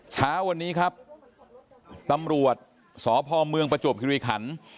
เช้าวันนี้ครับตำรวจสพเมืองประจวบคิริขัน